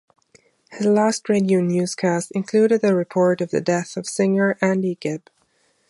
His last radio newscast included a report of the death of singer Andy Gibb.